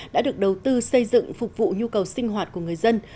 đã được đầu tư xây dựng phục vụ nhu cầu sinh hoạt của người dân